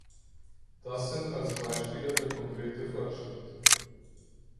Das sind also Beispiele für konkrete Forschritte.